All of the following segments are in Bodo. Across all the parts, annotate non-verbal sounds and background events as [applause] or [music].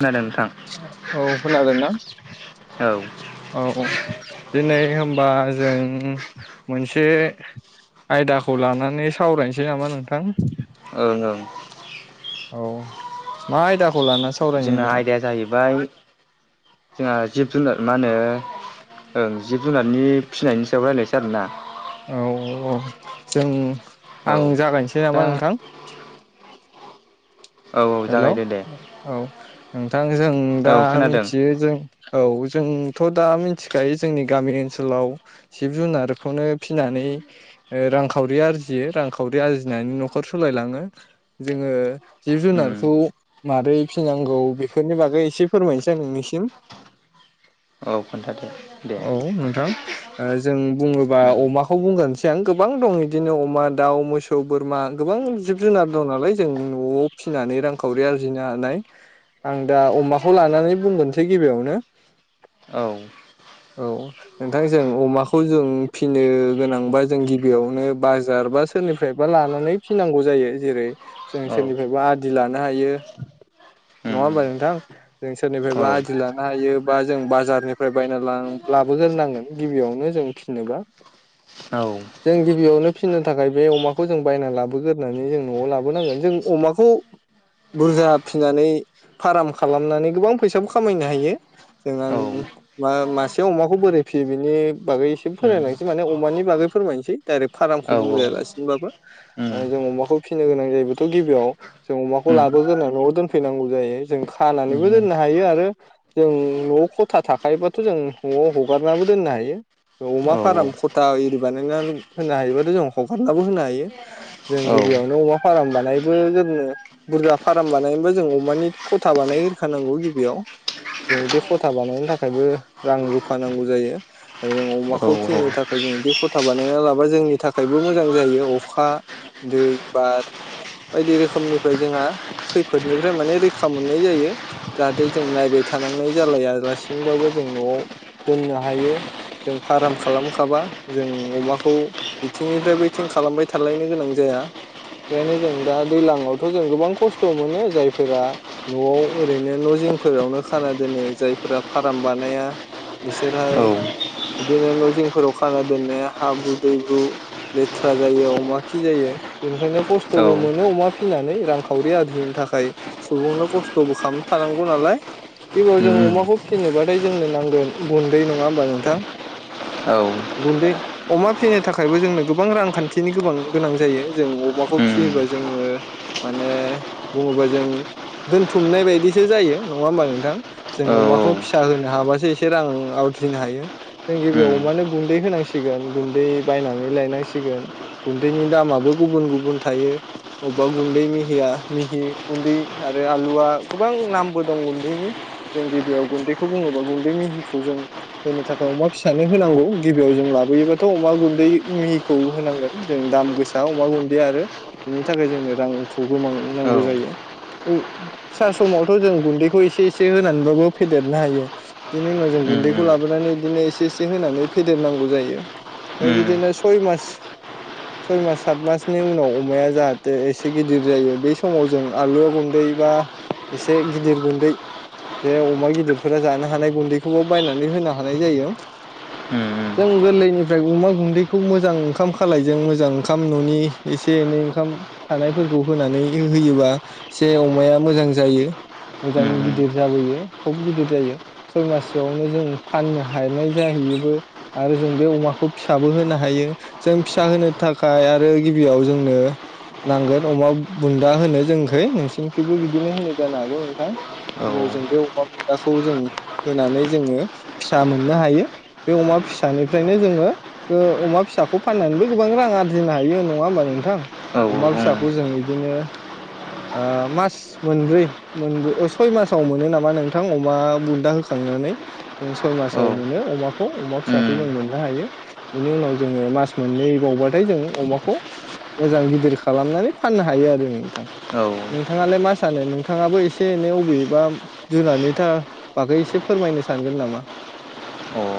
खोनादों नोंथां औ खोनादोंना औ ओं औ औ दिनै होमबा जों मोनसे आयदाखौ लानानै सावरायनिसै नामा नोंथां ओं ओं औ मा आयदा ख जोंना आयदाया जाहैबाय जोंहा जिब -जुनार मा होनो ओ जिब -जुनादनि फिसिनायनि सायाव रायलायनिसै आरोना औ औ जों औ आं जागायनिसै दा नामा नोंथां औ औ हेलौ जागायदो दे औ थां जों औ दा खोनादों मिनथियो जों औ ज जोंथ' दा मिनथिखायो जोंनि गामि ओनसोलाव जिब -जुनारखौनो फिनानै ओ रांखावरि आरजियो रांखावरि आरजिनानै न'खर सालायलाङो जोङो जिब उम -जुनार खौ मारै फिनांगौ बेफोरनि बागै एसे फोरमायनिसै आ नोंनिसिम औ खोन्थादो दे औ नोंथां ओ जों बुङोबा उम अमाखौ बुंगोनसै आं गोबां दं इदिनो अमा दाउ मोसौ बोरमा गोबां जिब जुनार दं नालाय जों न'आव फिनानै रां खावरि आर्जिनो हानाय आं दा अमाखौ लानानै बुंगोनसै गिबिआवनो औ औ नोंथां जों अमाखौ जों फिनो गोनांबा जों गिबिआवनो बाजार बा सोरनिफ्रायबा लानानै फिनांगौ जायो जेरै जों औ सोरनिफायबा आदि लान नो हायो नङा उम होमबा नोंथां जों औ सोरनिफायबा आदि लानो हायो बा जों बाजारनिफ्राय बायना लां लाबोगोरनांगोन गिबियावनो जों फिनोबा औ उम जों गिबियावनो फिननो थाखाय बे अमाखौ जों बायना लाबोगोरनै जों न'आव लाबोनांगोन जों अमाखौ बुरजा फिनानै फाराम खालामनानै गोबां फैसाबो खामायनो हायो औ [unintelligible] बा मासे अमाखौ बोरै फियो बिनि बागै एसे फोरमायलांनोसै माने अमानि बागै फोरमायनिसै डाइरेक्ट फाराम खौ बुंलायालासिनोबाबो ओ उम जों अमाखौ फिनो गोनां जायोथ' गिबियाव जों अमाख [unintelligible] उम न'आव दोनफैनांगौ जायो जों खानानैबो उम दोननो हायो आरो जों न'आव खथा थाखायोबाथ' जों न'आव हगारनो दोननो हायो अमा औ फार्म खथा इरि बानायना होनो हायोबाथ' जों हगारनो होनो हायो जों औ गिबियावनो अमा फार्म बानायबो जेननो बुरजा फार्म बानायनोबा जों अमानि खथा बानायह्रखानांगौ गिबियाव जों बिदि खथा बानायनो थाखायबो रां रुफा नांगौ जायो आरो जों अमाखौ उम फिनो थाखाय जों बिदि खथा बानायना लाबा जोंनि थाखायबो मोजां जायो अखा दै बार बायदि रोखोमनि फ्राय जोंहा खैफोदनिफ्राय माने रैखा मोननाय जायो जाहाथे जों नायबाय थानांनाय जालायालासिनोबाबो जों न'आव दोननो हायो जों फार्म खालामखाबा जों अमाखौ बिथिंनिफ्राय बैथिं खालामबाय थालायनो गोनां जाया बेखायनो जों दा दैज्लां आव थ' जों गोबां खस्थ' मोनो जायफोरा न'आव ओरैनो न' जिंफोरावनो खाना दोनो जायफोरा फार्म बानाया बिसोरहाय औ बिदिनो न' जिंफोराव खाना दोनो हाब्रु दैब्रु लेथ्रा जायो अमा खि जायो बेनिखायनो खस्थ'बो उम मोनो अमा फिनानै रांखावरि आरजिनो थाखाय सुबुंनो खस्थ'बो खालाम खानांगौ नालाय बेबयाव जों अमाखौ फिसिनोबाथाय जोंनो नांगोन गुन्दै नङा होमबा नोंथां गुन्दै अमा फिसिनो थाखायबो जोंनो गोबां रांखान्थिनि गोबां गोनां जायो जों अमाखौ फिसियोबा जोङो माने बुङोबा जों दोनथुमनाय बायदिसो जायो नङा होमबा नोंथां जों औ अमाखौ फिसा होनो हाबासो एसे रां आज्रिनो हायो जों गिबियाव उम अमानो गुन्दै होनांसिगोन गुन्दै बायनानै लायनांसिगोन गुन्दैनि दामाबो गुबुन गुबुन थायो। आवबा गुन्दै मिहिया मिहि गुन्दै आरो आलुआ गोबां नामबो दं गुन्दैनि जों गिबियाव गुन्दैखौ बुङोबा गुन्दै मिहिखौ जों होनो थाखाय अमा फिसानो होनांगौ गिबियाव जों लाबोयोबाथ' अमा गुन्दै मिहिखौ होनांगोन जों दाम गोसा अमा गुन्दैया आरो बेनि थाखाय जोंनो रांखौबो बां औ उम नांगौ जायो फिसा समावथ' जों गुदैखौ एसे-एसे होनानैबो फेदेरनो हायो बिनि उनाव जों उम गुैदैखौ लाबोनानै इदिनो एसे-एसे होनानै फेदेरनांगौ जायो आरो उम बिदिनो सम मास, सात मासनि उनाव अमाया जाहाथे एसे एसे गिदिर जायो बै समाव जों आलुवा गुन्दै बा एसे गिदिर गुन्दै जे अमा गिदिरफोरा जानो हानाय गुन्दैखौबो बायनानै होनो हानाय जायो उम जों गोरलैनिफ्राय अमा गुन्दैखौ मोजां ओंखाम खालायजों मोजां ओंखाम न'नि एसे एनै ओंखाम थानायफोरखौ होनानै होयोबा जे अमाया मोजां जायो मोजां उम उम गिदिर जाबोयो थब गिदिर जायो सय मासोआवनो जों फाननो हानाय जाहैयोबो आरो जों बे अमाखौ फिसाबो होनो हायो जों फिसा होनो थाखाय आरो गिबियाव जोंनो नांगोन अमा बुन्दा होनो जोंखै नोंसिनिखैबो बिदिनो होनो जानो हागौ नोंथां औ बेयाव जों बे अमा बुन्दाखौ जों होनानै जोङो फिसा मोननो हायो बे अमा फिसानिफ्रायनो जोङो ओ अमा फिसाखौ फाननानैबो गोबां रां आरजिनो हायो नङा होमबा नोंथां? औ उम अमा फिसाखौ जों बिदिनो ओ मास मोनब्रै मोनब्रै अ सय मासाव मोनो नामा नोंथां अमा बुन्दा होखांनानै जों सय औ मासाव मोनो अमाखौ अमा फिसाखौ जों मोननो हायो बेनि उनाव जोङो मास मोननै बावबाथाय जों अमाखौ मोजां गिदिर खालामनानै फाननो हायो आरो जोङो। नोंथां उम नोंथाङालाय मा? सानो नोंथाङाबो एसे-एनै अबेबा जुनारनि था बागै एसे फोरमायनो सानगोन नामा? औ अ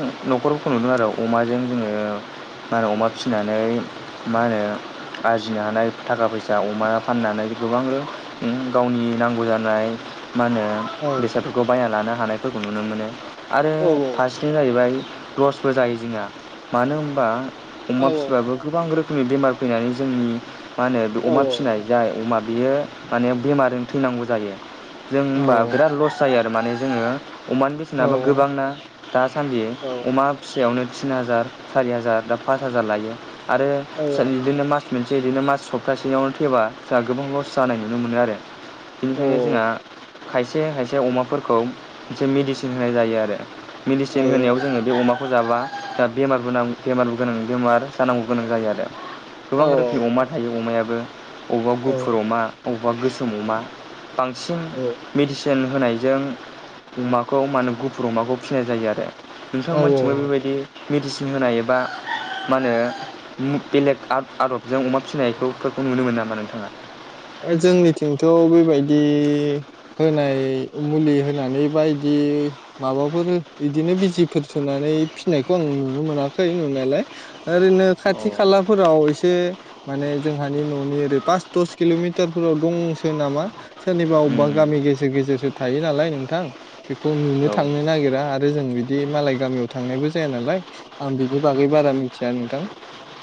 न'खरफोरखौ नुदों आरो अमाजों जोङो बा अमा फिनानै मा होनो आरजिनो हानाय थाखा-फैसा अमा फाननानै गोबां रं उम गावनि नांगौ जानाय मा होनो औ बेसादफोरखौ बायना लानो हा हानायफोरखौ नुनो मोनो। आरो औ फारसेथिं जाहैबाय लसबो जायो जोंहा मानो होनबा औ अमा फिसिबाबो गोबां रोखोम नि जोंनि बेमार फैनानै जोंनि मा होनो बे औ अमा फिसिनाय जाय अमा बियो माने बेमारजों थैनांगौ जायो। जों औ होनबा बिराद लस जायो आरो। थारमाने जोङो अमानि औ बेसेनाबो गोबांना दासानदि औ अमा फिसायावनो थिन हाजार, सारि हाजार, दा पास हाजार लायो। आरो फिसा बिदिनो मास मोनसे इदिनो मास सप्तासेयावनो थैबा जोंहा गोबां लस जानाय नुनो मोनो आरो। औ बेनिखायनो जोंहा खायसे-खायसे अमाफोरखौ इसे मेडिसिन होनाय जायो आरो। औ मेडिसिन होनायाव जोङो बे अमाखौ हजाबा दा बेमारबो नां बेमारबो गोनां बेमार जानांगौ गोनां जायो आरो। गोबां रोखोमनि अमा थायो अमायाबो अवबा औ गुफुर अमा। अबावबा गोसोम अमा बांसिन मेडिसिन सिन होनायजों अमाखौ मानो गुफुर अमाखौ फिसिनाय जायो आरो औ नोंथांमोननिथिंबो औ बेबायदि मेडिसिन होनायबा मा होनो बेलेग आदबजों अमा फिसिनायफोरखौ नुनो मोनो नामा नोंथाङा जोंनिथिंथ' बेबायदि होनाय मुलि होनानै बाायदि माबाफोर इदिनो बिजिफोर सुनानै फिनायखौ आं नुनो मोनाखै नुनायालाय ओरैनो औ खाथि खालाफोराव एसे माने जोंहानि न'नि ओरै पास दस किल'मिटारफोराव दंसो नामा सोरनिबा अबेबा उम गामि गेजेर गेजेरसो थायो नालाय नोंथां बेखौ नुनो औ थांनो नागिरा आरो जों बिदि मालाय गामियाव थांनायबो जाया नालाय आं बिनि बागै बारा मिथिया नोंथां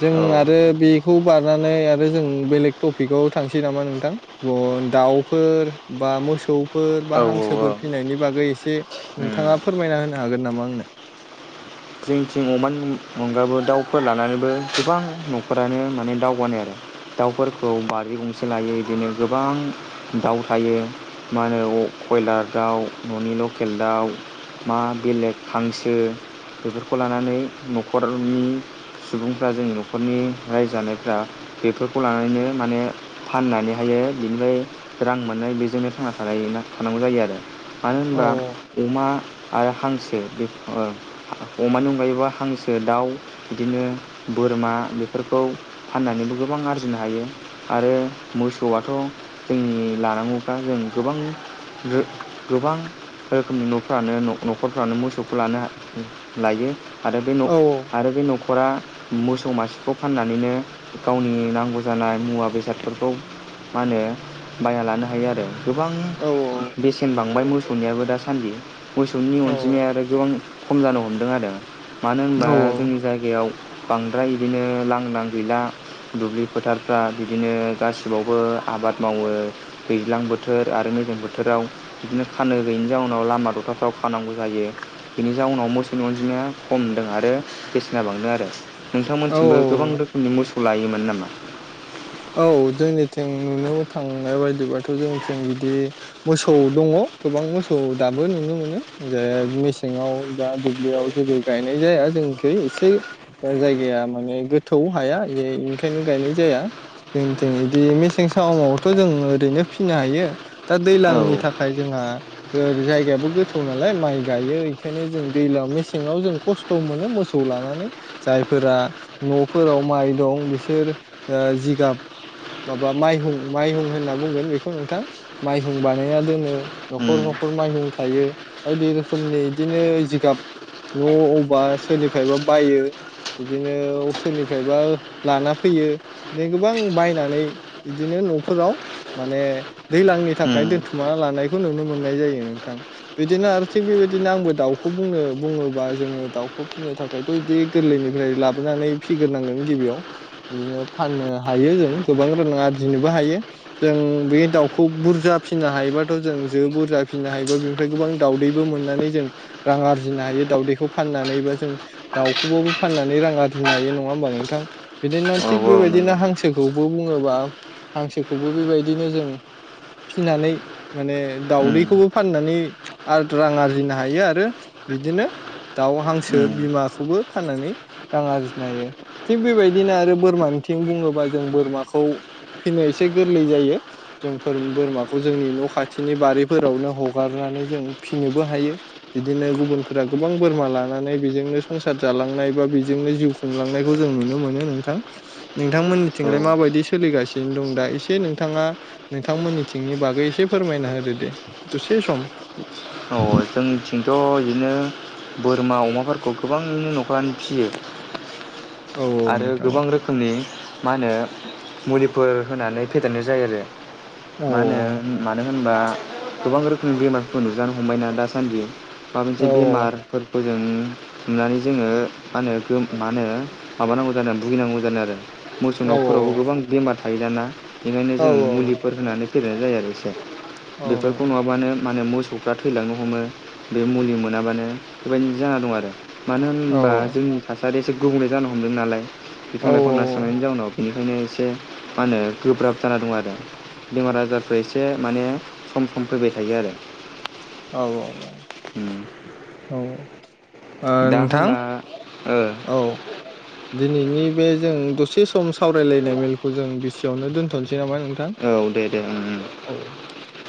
जों औ आरो बेखौ बारनानै आरो जों बेलेग टपिकआव थांसै नामा नोंथां दाउफोर बा मोसौफोर बा औ औ हांसोफोर फिसिनायनि बागै एसे उम नोंथाङा फोरमायना होनो हागोन नामा आंनो जोंथिं अमानि अगाबो दाउफोर लानानैबो गोबां न'खरानो माने दावउ बानाय आरो दाउफोरखौ बारि गंसे लायो बिदिनो गोबां दाउ थायो मा होनो कयलार दाउ न'नि लकेल दाउ मा बेलेग हांसो बेफोरख खौ लानानै न'खरनि सुबुंफ्रा जोंनि न'खरनि रायजानायफ्रा बेफोरखौ लानानैनो माने फाननानैहायो बेनिफ्राय रां मोननाय बेजोंनो थांना थानाय थानांगौ जायो आरो मानो औ होनबा अमा आरो हांसो बे अ अमानि अनगायैबा हांसो दाउ बिदिनो बोरमा बेफोरखौ फाननानैबो गोबां आरजिनो हायो आरो मोसौआथ' जोंनि लानांगौखा जों गोबां रोख गोबां रोखोमनि न'फ्रानो न'खरफ्रानो मोसौखौ लानो लायो आरो बे नख औ आरो बे न'खर नखरा मोसौ मासेखौ फाननानैनो गावनि नांगौ जानाय मुवा बेसादफोरखौ मा होनो बायना लानो हायो आरो गोबां औ बेसेन बांबाय मोसो नियाबो दासान्दि मोसौनि औ अनजिमाया आरो गोबां खम जानो हम दों आरो मानो होनबा औ जोंनि जायगायाव बांद्राय बिदिनो लांदां गैला दुब्लि फोथारफ्रा बिदिनो गासिबावबो आबाद मावो दैज्लां बोथोर आरो मेजें बोथोराव बिदिनो खानो गैयिनि जाउनाव लामा दथाफ्राव खानांगौ जायो बेनि जाउनाव मोसौ नि अनजिमाया खमदों आरो बेसेना बांदों आरो औ नोंथांमोनसिमबो गोबां रोखोमनि मोसौ खौ लायोमोन नामा औ जोंनिथिं नुनो थांनाय बायदिबाथ' जोंनिथिं बिदि मोसौ दङ गोबां मोसौ दाबो नुनो मोनो जे मेसेङाव दा दुब्लियाव जेबो गायनाय जाया जोंनिख एसे जायगाया माने गोथौ हाया बे निखायनो गायनाय जाया जोंथि बिदि मेसें समामावथ' जों ओरैनो फिनो हायो दा औ दैज्लांनि थाखाय जोंहाओर जायगायाबो गोथौ नालाय माइ गायो बेखायनो जों दैलां मेसेङाव जों खस्थ' मोनो मोसौ लानानै जायफोरा न'फोराव माइ दं बिसोर अ जिगाब माबा माइहुं माइहुं होनना बुंगोन बेखौ नोंथां माइहुं बानायना दोनो न'खर उम न'खर माइहुं थायो बायदि रोखोमनि बिदिनो जिगाब न' अबा सोरनिफ्रायबा बायो बिदिनो सोरनिफ्रायबा लाना फैयो बि गोबां बायनानै बिदिनो न'फोराव माने दैज्लांनि थाखाय उम दोनथुमा लानायखौ नुनो मोननाय जायो नोंथां बिदिनो आरो थिग बेबायदिनो आंबो दाउखौ बुंनो बुङोबा जोङो दाउखौ फिसिनो थाखायथ' बिदि गोरलैनिफ्राय लाबोनानै फिग्रोनांगोन गिबियाव बिदिनो फाननो हायो जों गोबां रां आरजिनोबो हायो जों बे दाउखौ बुरजा फिनो हायोबाथ' जों जो बुरजा फिसिनो हायोबा बेनिफ्राय गोबां दाउदैबो मोननानै जों रां आरजिनो हायो दाउदैखौ फाननानैबा जों दाउखौबाबो फाननानै रां आरजिनो हायो नङा होमबा नोंथां बिदिनो औ थिग औ बेबायदिनो नंगौ हांसोखौबो बुङोबा हांसोखौबो बेबायदिनो जों फिनानै माने उम दाउदैखौबो फाननानै रां आरजिनो हायो आरो बिदिनो दाउ हांसो उम बिमाखौबो फाननानै रां आरजिनो हायो थिग बेबायदिनो आरो बोरमानिथिं बुङोबा जों बोरमाखौ फिसिनो एसे गोरलै जायो जों बोरमाखौ जोंनि न' खाथिनि बारिफोरावनो हगारनानै जों फिसिनोबो हायो बिदिनो गुबुनफोरा गोबां बोरमा लानानै बेजोंनो संसार जालांनाय बा बेजोंनो जिउ खुंलांनायखौ जों नुनो मोनो नोंथां नोंथांमोननिथिंलाय औ माबायदि सोलिगासिनो दं दा एसे नोंथाङा नोंथांमोननिथिंनि बागै एसे फोरमायना होदो दे दसे सम अ जोंनिथिंथ' बिदिनो बोरमा अमाफोरखौ गोबाङैनो न'खरानो फियो औ आरो नोंथां औ गोबां रोखोमनि मा होनो मुलिफोर होनानै फेदेरनाय जायो आरो औ मा होनो मानो होनबा गोबां रोखोमनि बेमारफोरखौ नुजानो हमबायना? दासान्दि माबा मोनसे औ बेमारफोर खौजों हुनानै जोङो मा होनो मा होनो माबानांगौ जादों आरो भुगिनांगौ जादों आरो मोसौनावफोरनावबो गोबां बेमार। थायो दाना? बेनिखायनो जों औ मुलिफोर होनानै गेलेनाय जायो आरो एसे बेफोरखौ नङाबानो माने मौस सौफ्रा थैलाङो। हमो बे मुलि मोनाबानो बेबायदि जाना दं आरो मानो होनबा जोंनि थास दा आरो गुबुंले जानो हमदों नालाय। बिफां लाइफां दानस्रांनायनि जाउनाव बेनिखायनो एसे मा होनो गोब्राब जाना दं आरो बेमार आजारफ्रा एसे माने सम-सम फैबाय थायो आरो औ उम। औ औ दा होनबा ओ औ दिनैनि बे जों दसे सम सावरायलायनाय मेलखौ जों बिसियाववनो दोनथ'नोसै नामा नोंथां औ दे दे ओं औ ओं